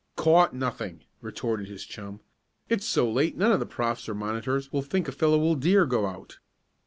"Caught nothing!" retorted his chum. "It's so late none of the profs. or monitors will think a fellow will dare go out.